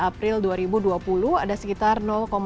april dua ribu dua puluh ada sekitar